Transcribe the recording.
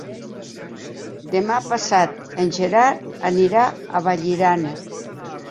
Demà passat en Gerard anirà a Vallirana.